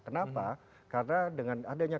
kenapa karena dengan adanya